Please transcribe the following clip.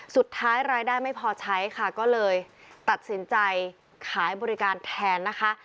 สุดท้ายรายได้ไม่พอใช้ค่ะก็เลยตัดสินใจขายบริการแทนนะคะ